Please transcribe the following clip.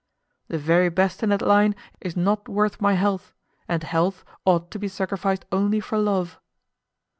"The very best in that line is not worth my health, and health ought to be sacrificed only for love."